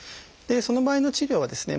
その場合の治療はですね